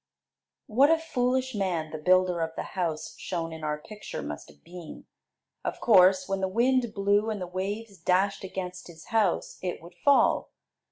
What a foolish man the builder of the house shown in our picture must have been! Of course, when the wind blew and the waves dashed against his house, it would fall.